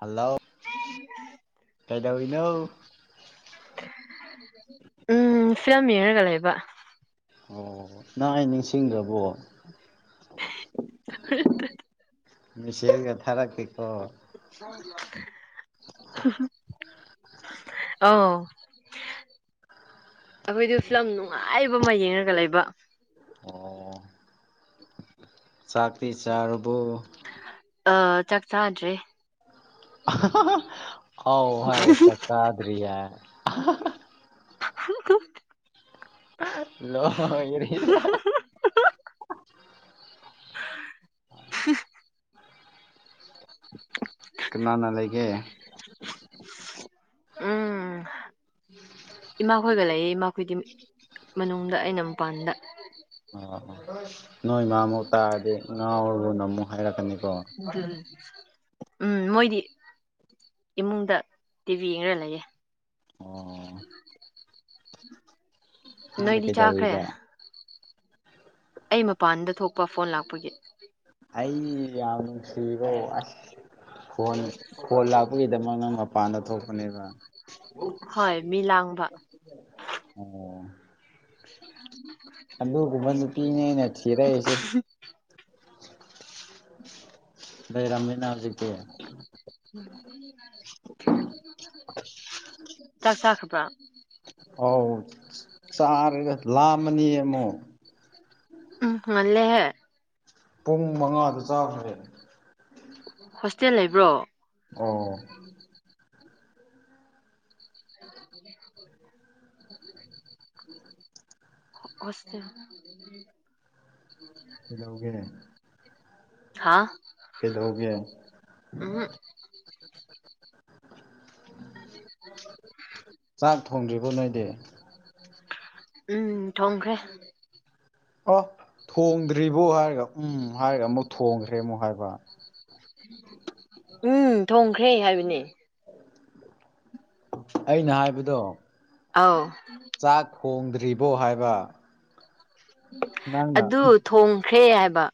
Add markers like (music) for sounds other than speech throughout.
Hello ꯀꯩꯗꯧꯔꯤꯅꯣ ꯎꯝ film ꯌ‌ꯦꯡꯔꯒ ꯂꯩꯕ ꯑꯣ ꯅꯪ ꯑꯩ ꯅꯤꯡꯁꯤꯡꯗ꯭ꯔꯕꯣ (unintelligible) ꯃ‌ꯦꯁ‌ꯦꯖꯒ ꯊꯥꯔꯛꯀꯦꯀꯣ (unintelligible) ꯑꯥꯎ ꯑꯩꯈꯣꯏꯗꯨ ꯐꯤꯂꯝ ꯅꯨꯡꯉꯥꯏꯕ ꯑꯃ ꯌꯦꯡꯔꯒ ꯂꯩꯕ ꯑꯣ ꯆꯥꯛꯇꯤ ꯆꯥꯔꯕ‌ꯣ ꯑ ꯆꯥꯛ ꯆꯥꯗꯔꯤ ꯑꯥꯎ ꯍꯥꯏꯔꯒ ꯆꯥꯛ ꯆꯥꯗ꯭ꯔꯤ ꯍꯥꯏꯌꯦ (unintelligible) ꯍꯂꯣꯔꯤ ꯍ (inaudible) ꯀꯅꯥꯅ ꯂꯩꯒꯦ ꯎꯝ ꯏꯃ ꯑꯩꯈꯣꯏꯒ ꯂꯩꯏ ꯃꯈꯣꯏꯗꯤ ꯃꯅꯨꯡꯗ ꯑꯩꯅ ꯃꯄꯥꯟꯗ ꯑꯣ ꯅꯣꯏ ꯏꯃꯥꯃꯨꯛ ꯇꯥꯔꯗꯤ ꯉꯥꯎꯔꯕꯨꯅ ꯑꯃꯨꯛ ꯍꯥꯏꯔꯛꯀꯅꯤꯀꯣ ꯎꯝ ꯃꯣꯏꯗꯤ ꯏꯃꯨꯡꯗ ꯇꯤꯚꯤ ꯌꯦꯡꯉ ꯂꯩꯌꯦꯦ ꯑꯣ ꯅꯪꯅ ꯅꯣꯏꯗꯤ ꯆꯥꯈ꯭ꯔꯦ ꯀꯩꯗꯧꯔꯤꯕ ꯑꯩ ꯃꯄꯥꯟꯗ ꯊꯣꯛꯄ ꯐꯣꯟ ꯂꯥꯛꯄꯒꯤ ꯑꯩ ꯌꯥꯝ ꯁꯤꯒꯧꯁ ꯐꯣꯟ ꯐꯣꯟ ꯂꯥꯛꯄꯒꯤꯗꯃꯛ ꯅꯪ ꯃꯄꯥꯟꯗ ꯊꯧ ꯐꯅꯦꯕ ꯍꯣꯏ ꯃꯤ ꯂꯥꯡꯕ ꯑꯣ ꯑꯗꯨꯒꯃꯗ ꯄꯤꯅꯦ ꯊꯤꯔꯑꯁꯦ ꯔꯃꯤꯅꯖꯤꯛꯇꯦ ꯆꯥꯛ ꯆꯥꯈ꯭ꯔꯕ꯭ꯔꯥ ꯑꯧ ꯆꯥꯔꯒ ꯂꯥꯑꯝꯃꯅꯤ ꯑꯃꯨꯛ ꯎꯝ ꯃꯂꯦꯍꯦ ꯄꯨꯡ ꯃꯉꯥꯗ ꯆꯥꯈ꯭ꯔꯦ ꯍꯣꯁꯇꯦꯜ ꯂꯩꯕ꯭ꯔꯣ ꯑꯣ (unintelligible) ꯍꯁꯇꯦꯜ (unintelligible) ꯀꯩꯗꯧꯒꯦ꯫ ꯍꯥꯥ꯫ ꯀꯗꯣꯒꯦ꯫ (unintelligible) ꯆꯥꯛ ꯊꯣꯡꯗ꯭ꯔꯤꯕꯣ ꯅꯣꯏꯗꯤ꯫ ꯎꯝ ꯊꯣꯡꯈ꯭ꯔꯦ꯫ ꯑꯣ ꯊꯣꯡꯗ꯭ꯔꯤꯕꯣ ꯍꯥꯏꯔꯒ ꯎꯝ ꯍꯥꯏꯔꯒ ꯑꯃꯨꯛ ꯊꯣꯡꯈ꯭ꯔꯦ ꯑꯃꯨꯛ ꯍꯥꯏꯕ꯫ ꯎꯝ ꯊꯣꯡꯈ꯭ꯔꯦ ꯍꯥꯏꯕꯅꯦ꯫ ꯑꯩꯅ ꯍꯥꯏꯕꯗꯣ꯫ ꯑꯧ꯫ ꯆꯥꯛ ꯊꯣꯡꯗ꯭ꯔꯤꯕꯣ ꯍꯥꯏꯕ꯫ ꯅꯪꯅ ꯑꯗꯨ ꯊꯣꯡꯈ꯭ꯔꯦ ꯍꯥꯏꯕ꯫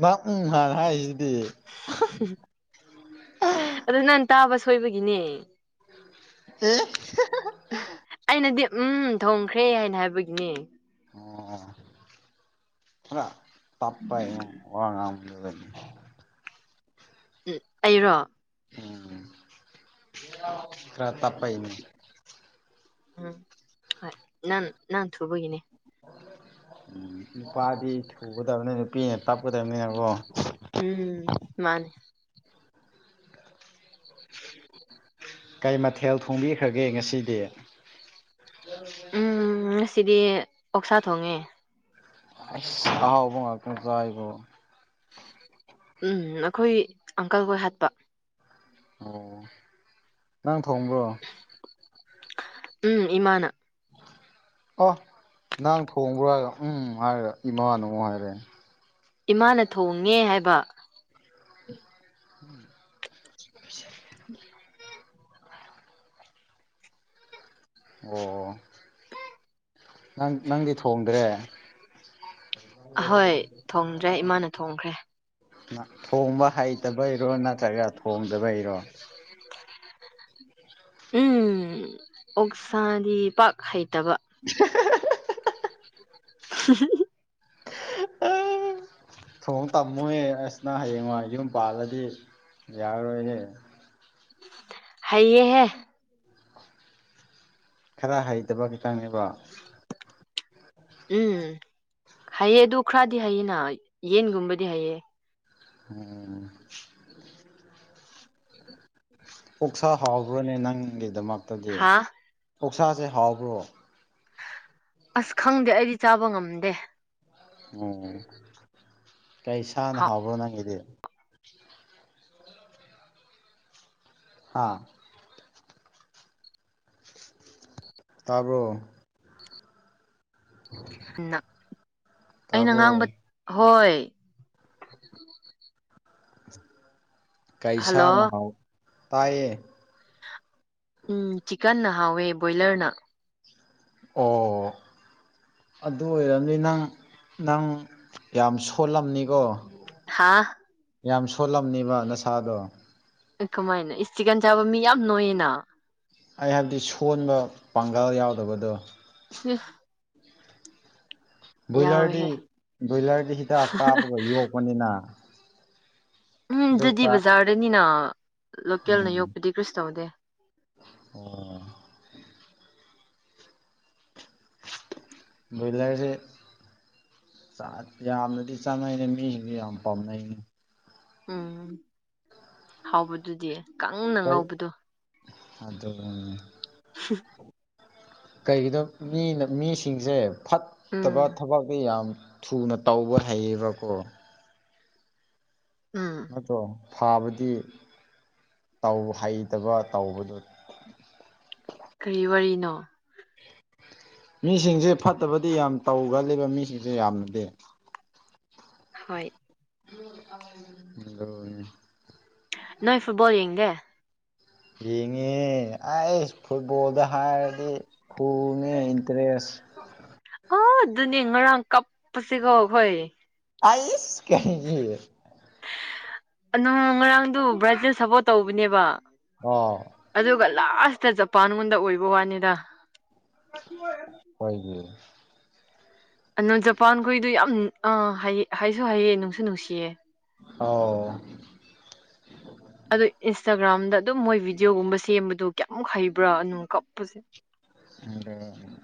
ꯅꯪ ꯎꯝ ꯍꯥꯟꯅ ꯍꯥꯏꯖꯤꯗꯤ꯫ ꯑꯗꯣ ꯅꯪ ꯇꯥꯕ ꯁꯣꯏꯕꯒꯤꯅꯦ꯫ ꯑꯦ꯫ ꯑꯩꯅꯗꯤ ꯎꯝ ꯊꯣꯡꯈ꯭ꯔꯦ ꯍꯥꯏꯅ ꯍꯥꯏꯕꯒꯤꯅꯦ꯫ ꯑꯣ ꯈꯔ ꯇꯞꯄꯒꯤꯅꯦ ꯋꯥꯉꯥꯡ (unintelligible) ꯑꯦ ꯑꯩꯔꯣ꯫ ꯎꯝ (unintelligible) ꯈꯔ ꯇꯞꯄꯩꯅꯦ꯫ ꯎꯝ ꯍꯣꯏ ꯅꯟ ꯅꯪ ꯊꯨꯕꯒꯅꯦ꯫ (unintelligible) ꯎꯝ ꯅꯨꯄꯥꯗꯤ ꯊꯨꯒꯗꯕꯅꯤ ꯅꯨꯄꯤꯅ ꯇꯞꯀꯗꯕꯅꯤꯅꯀꯣ꯫ ꯎꯝ ꯃꯥꯅꯦ꯫ ꯀꯩ ꯃꯊꯦꯜ ꯊꯣꯡꯕꯤꯈ꯭ꯔꯒꯦ ꯉꯁꯤꯗꯤ꯫ ꯎꯝ ꯉꯁꯤꯗꯤ ꯑꯣꯛꯁꯥ ꯊꯣꯡꯉꯦ꯫ ꯑꯩꯁ ꯑꯍꯥꯎꯕꯨ ꯉꯥꯛꯇ ꯆꯏꯕꯣ꯫ ꯎꯝ ꯑꯩꯈꯣꯏ ꯑꯪꯀꯜ ꯍꯣꯏ ꯍꯥꯠꯄ꯫ ꯑꯣ ꯅꯪ ꯊꯣꯡꯕ꯭ꯔꯣ꯫ ꯎꯝ ꯏꯃꯥꯅ꯫ ꯑꯣ ꯅꯪ ꯊꯣꯡꯕ꯭ꯔꯣ ꯍꯥꯏꯔꯒ ꯎꯝ ꯍꯥꯏꯔꯒ ꯏꯃꯥꯅꯃꯨꯛ ꯍꯥꯏꯔꯛꯑꯦ꯫ ꯏꯃꯥꯅ ꯊꯣꯡꯉꯦ ꯍꯥꯏꯕ꯫ (unintelligible) ꯑꯣ (unintelligible) ꯅꯪ ꯅꯪꯗꯤ ꯊꯣꯡꯗ꯭ꯔꯦ꯫ ꯍꯣꯏ ꯊꯣꯡꯗ꯭ꯔꯦ ꯏꯃꯥꯅ ꯊꯣꯡꯈ꯭ꯔꯦ꯫ ꯊꯣꯡꯕ ꯍꯩꯇꯕꯩꯔꯣ ꯅꯠꯇ꯭ꯔꯒ ꯊꯣꯡꯗꯕꯩꯔꯣ꯫ (unintelligible) ꯎꯝ ꯑꯣꯛꯁꯥꯗꯤ ꯄꯥꯛ ꯍꯩꯇꯕ꯫ (unintelligible) (unintelligible) (unintelligible) ꯊꯣꯡ ꯇꯝꯃꯣꯌꯦ ꯑꯁ ꯅꯪ ꯍꯌꯦꯡꯋꯥ ꯌꯨꯝ ꯄꯥꯜꯂꯗꯤ ꯌꯥꯔꯔꯣꯏꯅꯦ꯫ ꯍꯩꯌꯦ ꯍꯦ꯫ ꯈꯔ ꯍꯩꯇꯕ ꯈꯤꯇꯪꯅꯦꯕ꯫ ꯎꯝ ꯍꯩꯌꯦ ꯑꯗꯨ ꯈꯔꯗꯤ ꯍꯩꯌꯦꯅ ꯌꯦꯟꯒꯨꯝꯕꯗꯤ ꯍꯩꯌꯦ꯫ ꯎꯝ꯫ (unintelligible) ꯑꯣꯛꯁꯥ ꯍꯥꯎꯕ꯭ꯔꯅꯦ ꯅꯪꯒꯤꯗꯃꯛꯇꯗꯤ ꯍꯥ ꯑꯣꯛꯁꯥꯖꯦ ꯍꯥꯎꯕ꯭ꯔꯣ꯫ ꯑꯁ ꯈꯪꯗꯦ ꯑꯩꯗꯤ ꯆꯥꯕ ꯉꯝꯗꯦ꯫ ꯎꯝ ꯀꯩ ꯁꯅ ꯍꯥꯎꯕ꯭ꯔꯣ ꯅꯪꯒꯤꯗꯤ꯫ ꯎꯝ ꯍꯥꯥ ꯇꯥꯕꯣ ꯑꯩꯅ ꯇꯥꯕ꯭ꯔꯣ ꯉꯥꯡꯕ ꯍꯣꯏ ꯀꯩꯁꯥ ꯍꯜꯂꯣ ꯅꯍꯥꯎ ꯇꯥꯏꯌꯦ ꯎꯝ ꯆꯤꯛꯀꯟꯅ ꯍꯥꯎꯋꯦ ꯕꯣꯏꯂꯔꯅ ꯑꯣ ꯑꯗꯨ ꯑꯣꯏꯔꯕꯔꯕꯅꯤ ꯅꯪ ꯅꯪ ꯌꯥꯝ ꯁꯣꯜꯂꯝꯕꯅꯤꯀꯣ ꯍꯥꯥ ꯌꯥꯝ ꯁꯣꯠꯂꯝꯅꯤꯕ ꯅꯁꯥꯗꯣ ꯀꯃꯥꯏꯅ ꯏꯁ ꯆꯤꯛꯀꯟ ꯆꯥꯕ ꯃꯤ ꯌꯥꯝ ꯅꯣꯏꯌꯦꯅ ꯑꯩ ꯍꯥꯏꯕꯗꯤ ꯁꯣꯟꯕ ꯄꯥꯡꯒꯜ ꯌꯥꯎꯗꯕꯗꯣ ꯎ ꯕꯣꯏꯂꯔꯗꯤ ꯌꯥꯎꯋꯦꯍꯦ ꯕꯣꯏꯂꯔꯗꯤ ꯍꯤꯗꯥꯛ ꯀꯥꯞꯄꯒ ꯌꯣꯛꯄꯅꯤꯅ ꯎꯝ ꯑꯗꯨ ꯑꯗꯨꯗꯤ ꯆꯥꯛ ꯕꯖꯥꯔꯗꯅꯤꯅ ꯂꯣꯀꯦꯜꯅ ꯎꯝ ꯌꯣꯛꯄꯗꯤ ꯀꯔꯤꯁꯨ ꯇꯧꯗꯦ ꯑꯣ ꯣꯏꯕꯤꯂꯥꯒꯁꯦ ꯆ ꯌꯥꯝꯅꯗꯤ ꯆꯥꯅꯩꯅꯦ ꯃꯤꯁꯤꯡꯁꯨ ꯌꯥꯝ ꯄꯥꯝꯅꯩꯅꯦ ꯎꯝ ꯍꯥꯎꯕꯗꯨꯗꯤ ꯀꯪꯅ ꯉꯧꯕꯗꯣ ꯑꯗꯣ ꯎ ꯀꯩꯒꯤꯅꯣ ꯃꯤꯅ ꯃꯤꯁꯤꯡꯁꯦ ꯐꯠ ꯠꯇꯕ ꯎꯝ ꯊꯕꯇꯤ ꯌꯥꯝ ꯊꯨꯅ ꯇꯧꯕ ꯍꯩꯌꯦꯕꯀꯣ ꯎꯝ ꯑꯗꯣ ꯐꯕꯗꯤ ꯍꯩꯇꯕ ꯇꯧꯕꯗꯣ ꯀꯔꯤ ꯋꯥꯔꯤꯅꯣ ꯃꯤꯁꯤꯡꯁꯦ ꯐꯠꯇꯕꯗꯤ ꯌꯥꯝ ꯇꯧꯈ꯭ꯔꯜꯂꯤꯕ ꯃꯤꯁꯤꯡꯁꯦ ꯌꯥꯝꯅꯗꯦ ꯍꯣꯏ ꯍ ꯅꯣꯏ ꯐꯨꯠꯕꯣꯜ ꯌꯦꯡꯗꯦ ꯌꯦꯡꯉꯦ ꯑꯩꯁ ꯐꯨꯠꯕꯣꯜꯗ ꯍꯥꯏꯔꯗꯤ ꯐꯨꯜꯅ‌ꯦ ꯏꯟꯇꯔꯦꯁ ꯑꯣ ꯑꯗꯨꯅꯦ ꯉꯔꯥꯡ ꯀꯞꯄꯁꯤꯀꯣ ꯑꯩꯈꯣꯏ ꯑꯩꯁ ꯀꯩꯒꯤ ꯅꯣꯡ ꯉꯔꯥꯡꯗꯨ ꯕ꯭ꯔꯥꯖꯤꯜ ꯁꯄꯣꯔꯠ ꯇꯧꯕꯅꯦꯕ ꯑꯣ ꯑꯗꯨꯒ ꯂꯥꯁꯇ ꯖꯄꯥꯟ ꯃꯉꯣꯟꯗ ꯑꯣꯏꯕ ꯋꯥꯅꯤꯗ ꯍꯣꯏꯒꯤ ꯑꯅꯣ ꯖꯄꯥꯟꯈꯣꯏꯗꯨ ꯌꯥꯝ ꯑ ꯍꯩ ꯍꯩꯁꯨ ꯍꯩꯌ‌ꯦ ꯅꯨꯡꯁꯨ ꯅꯨꯡꯁꯤꯌꯦ ꯑꯣ ꯑꯗꯨ ꯏꯟꯁꯇꯥꯒ꯭ꯔꯥꯝꯗ ꯑꯗꯨꯝ ꯃꯣꯏ ꯚꯤꯗꯤꯑꯣꯒꯨꯝꯕ ꯁꯦꯝꯕꯗꯣ ꯀꯌꯥꯃꯨꯛ ꯍꯩꯕ꯭ꯔꯥ ꯑꯗꯨꯝ ꯀꯞꯄꯁꯦ ꯑꯗ (unintelligible)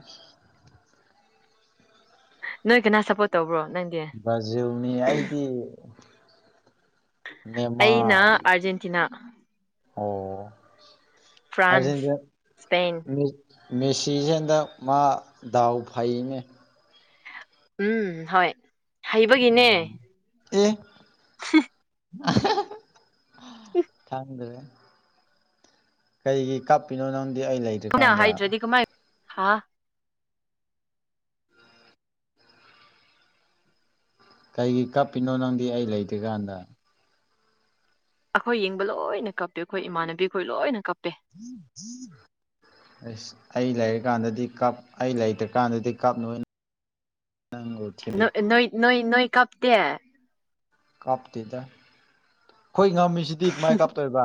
ꯅꯣꯏ ꯀꯅꯥ ꯁꯞꯄꯣꯔꯠ ꯇꯧꯕ꯭ꯔꯣ ꯅꯪ ꯕ꯭ꯔꯖꯤꯜꯅꯤ ꯑꯩꯗꯤ ꯑꯩꯅ ꯅꯦꯃꯥꯔ ꯑꯥꯔꯖꯦꯟꯇꯤꯅꯥ ꯑꯣ ꯐ꯭ꯔꯥꯟꯁ ꯑꯥꯔꯖ‌ꯦꯟꯇꯤꯅꯥ ꯁ꯭ꯄꯦꯟ ꯃꯤ ꯃꯦꯁꯤꯖꯦ ꯍꯟꯗꯛ ꯃꯥ ꯗꯥꯎ ꯐꯩꯅꯦ ꯎꯝ ꯍꯣꯏ ꯍꯩꯕꯒꯤꯅꯦ ꯑꯦ ꯍꯨꯝ (unintelligible) ꯈꯪꯗꯔ‌ꯦ ꯀꯩꯒꯤ ꯀꯥꯞꯄꯤꯅꯣ ꯅꯪꯗꯤ ꯑꯩ ꯂꯩ ꯄꯨꯟꯅ ꯍꯩꯇ꯭ꯔꯗꯤ ꯀꯃꯥꯏ ꯍꯥ ꯀꯩꯒꯤ ꯀꯞꯄꯤꯅꯣ ꯅꯪꯗꯤ ꯑꯩ ꯂꯩꯇ꯭ꯔꯤ ꯀꯥꯟꯗ ꯑꯩꯈꯣꯏ ꯌꯦꯡꯕ ꯂꯣꯏꯅ ꯀꯞꯄꯦ ꯑꯩꯈꯣꯏ ꯏꯃꯥꯟꯅꯕꯤ ꯈꯣꯏ ꯂꯣꯏꯅ ꯀꯞꯄꯦ (unintelligible) ꯑꯁ ꯑꯩ ꯂꯩꯔꯀꯥꯟꯗꯗꯤ ꯀꯞ ꯑꯩ ꯂꯩꯇ꯭ꯔꯀꯥꯟꯗꯗꯤ ꯀꯞ ꯅꯣꯏ ꯅꯪꯒꯨꯠ ꯅ ꯅꯣꯏ ꯅꯣꯏ ꯅꯣꯏ ꯀꯞꯇ‌ꯦ ꯀꯥꯞꯇꯦꯗ ꯑꯩꯈꯣꯏ ꯉꯝꯃꯤꯁꯤꯗꯤ ꯀꯃꯥꯏ ꯀꯥꯞꯇꯣꯏꯕ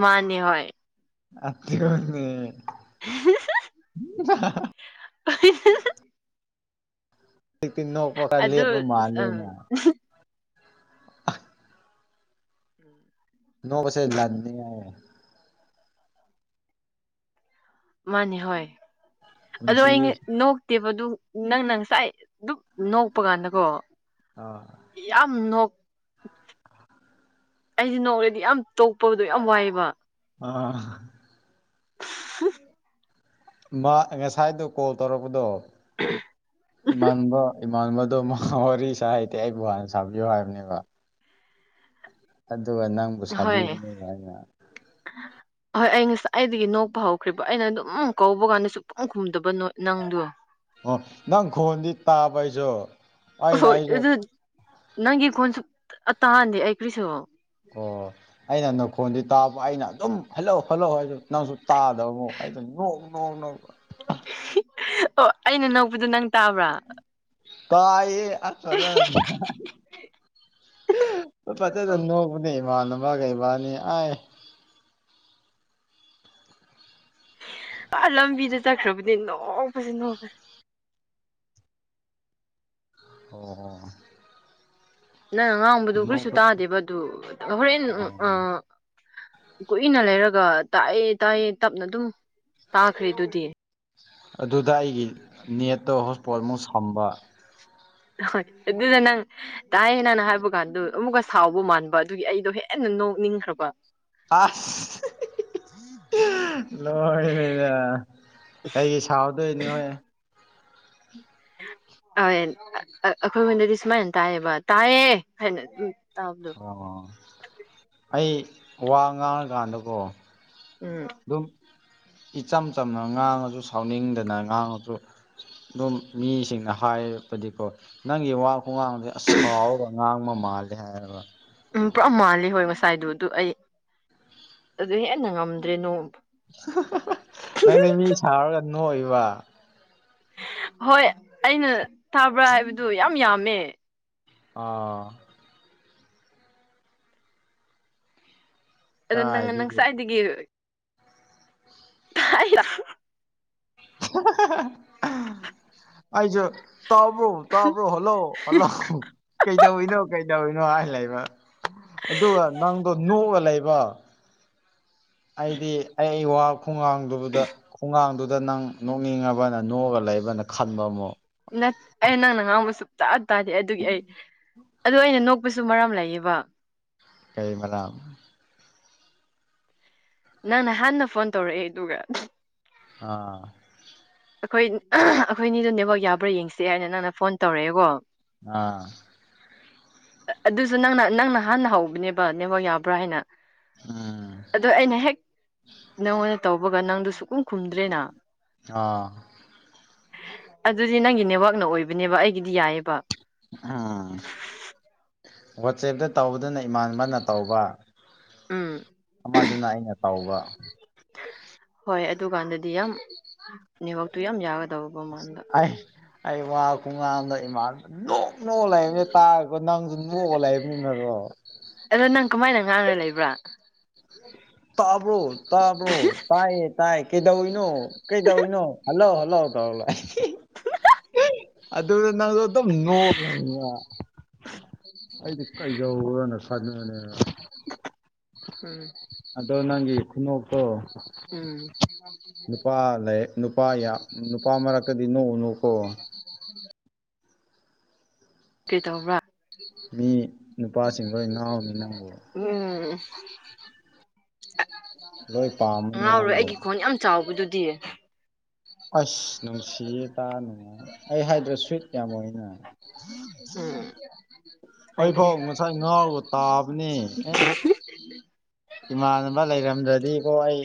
ꯃꯥꯅꯦ ꯍ‌ꯣꯏ ꯑꯥꯞꯇꯔꯨꯟꯅꯦ (unintelligible) (unintelligible) ꯍꯧꯖꯤꯛ ꯇꯤ ꯅꯣꯛꯄꯛ ꯈꯔ ꯑꯗꯨ ꯂ‌ꯦꯞꯄ ꯑꯪ ꯃꯥꯜꯂ‌ꯦꯅ ꯅꯣꯛꯕꯁꯦ ꯂꯥꯥꯟꯅꯤ ꯍꯥꯏ ꯃꯥꯅꯦ ꯍꯣꯏ ꯑꯗꯣ ꯑꯩ ꯉ ꯄꯨꯟꯁꯤꯁꯨ ꯅ‌ꯣꯛ ꯅ‌ꯣꯛꯇꯦꯕꯗꯨ ꯅꯪꯅ ꯉꯁꯥꯏ ꯗꯨꯛ ꯅꯣꯛꯄ ꯀꯥꯟꯗꯀꯣ ꯑꯥ ꯌꯥꯝ ꯅꯣꯛ ꯑꯩꯖꯤ ꯅꯣꯛꯂꯗꯤ ꯌꯥꯝ ꯇꯣꯛꯄꯗꯣ ꯌꯥꯝ ꯋꯥꯏꯕ ꯑ (unintelligible) ꯃꯥ ꯉꯁꯥꯏꯗ‌ꯣ ꯀꯣꯜ ꯇꯧꯔꯛꯄꯗꯣ ꯏꯃꯥꯟꯅꯕ ꯏꯃꯥꯟꯅꯕꯗꯣ ꯃꯥ ꯋꯥꯔꯤ ꯁꯥ ꯍꯩꯇꯦ ꯑꯩ ꯕꯨ ꯍꯥꯟꯅ ꯁꯥꯕꯤꯌꯨ ꯍꯥꯏꯕꯅꯦꯕ ꯑꯗꯨꯒ ꯅꯪꯕꯨ ꯍꯣꯏ ꯁꯥꯕꯤꯕꯅꯦꯅ ꯑꯩꯅ (unintelligible) ꯍꯣꯏ ꯑꯩ ꯉꯁꯥꯏꯗꯒꯤ ꯅꯣꯛꯄ ꯍꯧꯈ꯭ꯔꯦꯕ ꯑꯩꯅ ꯑꯗꯨꯝ ꯀꯧꯕ ꯀꯥꯟꯗ ꯁꯨꯈꯨꯡ ꯈꯨꯝꯗꯕ ꯅ‌ꯣꯏ ꯅꯪꯗꯣ ꯑꯣ ꯅꯪ ꯈꯣꯟꯗꯤ ꯇꯥꯕ ꯑꯩꯖꯨ ꯑꯣꯍꯣꯏ ꯑꯗꯨ ꯅꯪꯒꯤ ꯈꯣꯟꯁꯨ ꯑ ꯇꯥꯟꯗꯦ ꯑꯩ ꯀ꯭ꯔꯤꯁꯨ ꯑꯣ ꯑꯩꯅ ꯅꯪꯈꯣꯟꯗꯤ ꯇꯥꯕ ꯑꯩꯅ ꯑꯗꯨꯝ ꯍꯜꯂꯣ ꯍꯜꯂꯣ ꯍꯥꯏ ꯅꯪꯁꯨ ꯇꯥꯗꯕ ꯑꯃꯨꯛ ꯑꯩꯗꯣ ꯅꯣꯛ ꯅꯣꯛ ꯅꯣꯛ ꯑꯣ ꯑꯩꯅ ꯅꯣꯕꯗꯣ ꯅꯪ ꯇꯥꯕ꯭ꯔꯥ ꯇꯥꯏꯌꯦ (unintelligible) ꯐꯖꯅ ꯅꯣꯛꯄꯅꯦ ꯏꯃꯥꯅꯕꯒꯥ ꯏꯕꯥꯅꯤ ꯑꯥꯏ ꯑꯥ ꯂꯝꯕꯤꯗ ꯆꯠꯈ꯭ꯔꯕꯗꯤ ꯅꯣꯛꯄꯁꯤ ꯅꯣꯛꯄꯁꯤ ꯑꯣ ꯑꯣ ꯅꯪꯅ ꯉꯥꯡꯕꯗꯨ ꯀꯔꯤꯁꯨ ꯅꯣꯛꯄ ꯇꯥꯗꯦꯕ ꯑꯗꯨ ꯍꯣꯔꯦꯟ ꯑꯣ ꯑꯥ ꯀꯨꯏꯅ ꯂꯩꯔꯒ ꯇꯥꯏꯑꯦ ꯇꯥꯏꯑꯦ ꯇꯞꯅ ꯑꯗꯨꯝ ꯇꯥꯈ꯭ꯔꯦ ꯑꯗꯨꯗꯤ ꯑꯗꯨꯗ ꯑꯩꯒꯤ ꯅꯦꯠꯇꯣ ꯍꯣꯁꯄꯣꯠꯃꯨꯛ ꯁꯝꯕ ꯍꯣꯏ ꯑꯗꯨꯗꯅꯪ ꯇꯥꯏ ꯅꯪꯅ ꯍꯥꯏꯕ ꯀꯥꯟꯗꯨ ꯑꯃꯨꯛꯀꯥ ꯁꯥꯎꯕ ꯃꯥꯟꯕ ꯑꯗꯨꯒꯤ ꯑꯩꯗꯣ ꯍꯦꯟꯅ ꯅꯣꯛꯅꯤꯡꯈ꯭ꯔꯕ ꯑꯁ ꯂꯣꯏꯔꯦꯅꯦ ꯀꯩꯒꯤ ꯁꯥꯎꯗꯣꯏꯅꯣ ꯍꯥꯏ ꯑꯩꯈꯣꯏ ꯉꯣꯟꯗꯥꯗꯤ ꯁꯨꯃꯥꯏꯅ ꯇꯥꯏꯌꯦꯕ ꯇꯥꯏꯌꯦ ꯍꯥꯏꯅ ꯇꯕꯗꯣ ꯑꯣ ꯑꯩ ꯋꯥ ꯉꯥꯡꯔꯀꯥꯟꯗꯀꯣ ꯎꯝ ꯑꯗꯨꯝ ꯏꯆꯝ ꯆꯝꯅ ꯉꯥꯡꯉꯁꯨ ꯁꯥꯎꯅꯤꯡꯗꯅ ꯉꯥꯡꯉꯁꯨ ꯑꯗꯨꯝ ꯃꯤꯁꯤꯡꯅ ꯍꯥꯏꯔꯕꯗꯤꯀꯣ ꯅꯪꯒꯤ ꯋꯥ ꯈꯨꯉꯥꯡꯁꯦ ꯑꯁꯥꯎꯔꯒ ꯉꯥꯡꯕ ꯃꯥꯜꯂꯦ ꯍꯥꯏꯌꯦꯕ ꯎꯝ ꯄꯨꯔꯥ ꯃꯥꯜꯂꯦ ꯍꯣꯏ ꯉꯁꯥꯏꯗꯨ ꯑꯗꯨ ꯑꯩ ꯑꯗꯨ ꯍꯦꯟꯅ ꯉꯝꯗ꯭ꯔꯦ ꯅꯣꯡ ꯫ ꯅꯪꯗꯤ ꯃꯤ ꯁꯥꯥꯎꯔꯒ ꯅꯣꯛꯏꯕ ꯍꯣꯏ ꯑꯩꯅ ꯇꯕ꯭ꯔꯥ ꯍꯥꯏꯕꯗꯨ ꯌꯥꯝ ꯌꯥꯝꯃꯦ ꯑꯥ ꯑꯗꯣ ꯅꯪꯅ ꯀꯥꯏꯗꯒꯤ ꯅꯪꯁꯋꯥꯏꯗꯒꯤ (unintelligible) ꯑꯩꯖꯨ ꯇꯥꯕ꯭ꯔꯣ ꯇꯥꯕ꯭ꯔꯣ ꯍꯜꯂꯣ ꯍꯜꯂꯣ ꯀꯩꯗꯧꯔꯤꯅꯣ ꯀꯩꯗꯧꯔꯤꯅꯣ ꯍꯥꯏ ꯂꯩꯕ ꯫ ꯑꯗꯨꯒ ꯅꯪꯗꯣ ꯅꯣꯛꯑꯒ ꯂꯩꯕ ꯑꯩꯗꯤ ꯑꯩ ꯋꯥ ꯈꯨꯉꯥꯡꯗꯨꯗ ꯈꯨꯉꯥꯡꯗꯨꯗ ꯅꯪ ꯅꯣꯛꯅꯤꯡꯉꯕꯅ ꯅꯣꯛꯑꯒ ꯂꯩꯕꯅ ꯈꯟꯕ ꯑꯃꯨꯛ ꯅꯠ ꯑꯩ ꯅꯪꯅ ꯉꯥꯡꯕ ꯁꯨꯛꯇꯥ ꯇꯥꯗꯦ ꯑꯗꯨꯒꯤ ꯑꯩ ꯑꯗꯨ ꯑꯩꯅ ꯅꯣꯛꯄꯁꯨ ꯃꯔꯝ ꯂꯩꯌꯦꯕ ꯀꯩ ꯃꯔꯝ ꯅꯪꯅ ꯍꯥꯟꯅ ꯐꯣꯟ ꯇꯧꯔꯛꯑꯦ ꯑꯗꯨꯒ ꯑꯥ ꯑꯩꯈꯣꯏ ꯑꯩꯈꯣꯏꯅꯤꯗꯨ ꯅꯦꯠꯋꯥꯛ ꯌꯥꯕ꯭ꯔꯥ ꯌꯦꯡꯁꯤ ꯍꯥꯏꯅ ꯅꯪꯅ ꯐꯣꯟ ꯇꯧꯔꯛꯑꯦꯀꯣ ꯫ ꯑꯥ ꯑꯗꯨꯁꯨ ꯅꯪꯅ ꯅꯪꯅ ꯍꯥꯟꯅ ꯍꯧꯕꯅꯦꯕ ꯅꯦꯋꯥꯛ ꯌꯥꯕ꯭ꯔꯥ ꯍꯥꯏꯅ ꯎꯝ ꯑꯗꯣ ꯑꯩꯅ ꯍꯦꯛ ꯅꯪꯉꯣꯟꯗ ꯇꯧꯕꯒ ꯅꯪꯗꯨ ꯁꯨꯡꯈꯨꯝ ꯈꯨꯝꯗ꯭ꯔꯦꯅ ꯫ ꯑꯥ ꯑꯗꯨꯗꯤ ꯅꯪꯒꯤ ꯅꯦꯠꯋꯥꯛꯅ ꯑꯣꯏꯕꯅꯦꯕ ꯑꯩꯒꯤꯗꯤ ꯌꯥꯏꯑꯕ ꯎꯝ ꯋꯥꯆꯦꯞꯇ ꯇꯧꯕꯗꯅꯦ ꯏꯃꯥꯟꯅꯕ ꯇꯧꯕ ꯎꯝ ꯑꯃꯗꯨꯅ ꯑꯩꯅ ꯇꯧꯕ ꯫ ꯍꯣꯏ ꯑꯗꯨꯀꯥꯟꯗꯗꯤ ꯌꯥꯝ ꯅꯦꯠꯋꯥꯛꯇꯨ ꯌꯥꯝ ꯌꯥꯒ ꯑꯩ ꯑꯩ ꯋꯥ ꯈꯨꯡꯉꯥꯡꯗꯣ ꯏꯃꯥꯅꯕ ꯅꯣꯛ ꯅꯣꯛꯑ ꯂꯩꯕꯅꯦ ꯇꯥꯔꯒꯀꯣ ꯅꯪꯖꯨ ꯅꯣꯛꯑ ꯂꯩꯕꯅꯤꯅꯔꯣ ꯑꯗꯣ ꯅꯪ ꯀꯃꯥꯏꯅ ꯉꯥꯡꯔꯥ ꯂꯩꯕ꯭ꯔꯥ ꯇꯥꯕ꯭ꯔꯣ ꯇꯥꯕ꯭ꯔꯣ ꯇꯥꯏꯌꯦ ꯇꯥꯏ ꯀꯩꯗꯧꯏꯅꯣ ꯀꯩꯗꯧꯏꯅꯣ ꯫ ꯍꯜꯂꯣ ꯍꯜꯂꯣ ꯇꯧꯎꯔꯂꯥ ꯑꯗꯨꯗ ꯅꯪꯗꯣ ꯑꯗꯨꯝ ꯅꯣꯛꯑ ꯑꯩꯗꯤ ꯀꯩꯗꯧꯔꯕꯅꯣꯅ ꯆꯪꯕꯅꯦ ꯫ ꯎꯝ ꯑꯗꯣ ꯅꯪꯒꯤ ꯈꯨꯅꯣꯛꯇꯣ ꯎꯝ ꯅꯨꯄꯥ ꯂꯩ ꯅꯨꯄꯥ ꯌꯥꯝ ꯅꯨꯄꯥ ꯃꯔꯛꯇꯗꯤ ꯅꯣꯛꯎꯅꯨꯀꯣ ꯀ꯭ꯔꯤ ꯇꯧꯕ꯭ꯔꯥ ꯃꯤ ꯅꯨꯄꯥꯁꯤꯡꯗ ꯉꯥꯎꯅꯤ ꯅꯪꯕꯨ ꯎꯝ ꯂꯣꯏ ꯄꯥꯝꯃꯅꯤ ꯉꯥꯎꯔꯣꯏ ꯅꯪꯕꯨ ꯑꯩꯒꯤ ꯈꯣꯟ ꯌꯥꯝ ꯆꯥꯎꯕꯗꯨꯗꯤ ꯑꯁ ꯅꯨꯡꯁꯤꯌꯦ (unintelligible) ꯑꯩ ꯍꯥꯏꯗ꯭ꯔꯥ ꯁ꯭ꯨꯋꯤꯠ ꯌꯥꯝ ꯑꯣꯏꯅ ꯎꯝ ꯫ ꯑꯣꯏꯕꯅꯦ ꯑꯩꯐꯥꯎ ꯉꯁꯥꯏ ꯉꯥꯎꯔꯒ ꯇꯥꯕꯅꯦ ꯑꯦ (unintelligible) ꯏꯃꯥꯟꯅꯕ ꯂꯩꯔꯝꯗ꯭ꯔꯗꯤꯀꯣ ꯑꯩ